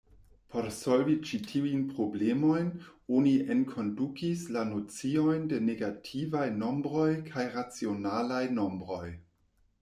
Por solvi ĉi-tiujn problemojn oni enkondukis la nociojn de negativaj nombroj kaj racionalaj nombroj.